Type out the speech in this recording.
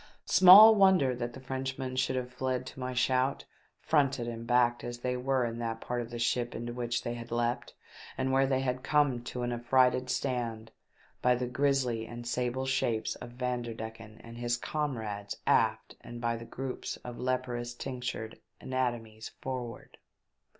Small wonder that the Frenchmen should have fled to my shout, fronted and backed as they were in that part of the ship into which they had leapt, and where they had come to an affrighted stand, by the grisly and sable shapes of Vanderdecken and his comrades aft, and by the groups of leprous tinctured anatomies forward.